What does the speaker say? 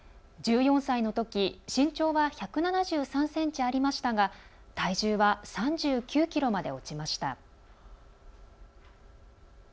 １４歳のとき身長は１７３ｃｍありましたが体重は３９ｋｇまで落ちました。